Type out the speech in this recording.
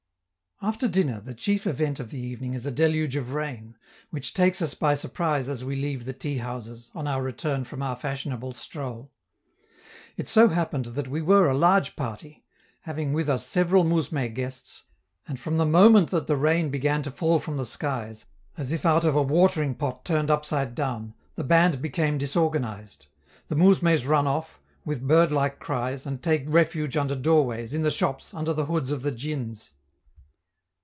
After dinner, the chief event of the evening is a deluge of rain, which takes us by surprise as we leave the teahouses, on our return from our fashionable stroll. It so happened that we were a large party, having with us several mousme guests, and from the moment that the rain began to fall from the skies, as if out of a watering pot turned upside down, the band became disorganized. The mousmes run off, with bird like cries, and take refuge under doorways, in the shops, under the hoods of the djins.